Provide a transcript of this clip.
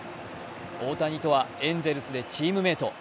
大谷とはエンゼルスでチームメイト。